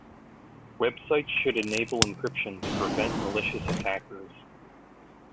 Websites should enable encryption to prevent malicious attackers.